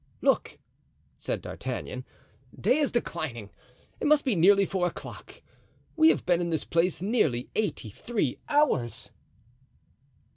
"Look," said D'Artagnan, "day is declining. It must be nearly four o'clock. We have been in this place nearly eighty three hours."